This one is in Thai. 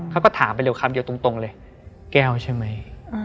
เขาก็ถามไปเร็วคำเดียวตรงเลยแก้วใช่ไหม